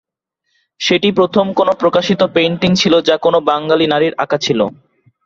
সেটিই প্রথম কোন প্রকাশিত পেইন্টিং ছিল যা কোন বাঙ্গালি নারীর আঁকা ছিল।